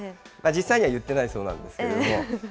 実際には言ってないそうなんです